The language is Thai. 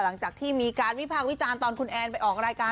หลังจากที่มีการวิพากษ์วิจารณ์ตอนคุณแอนไปออกรายการ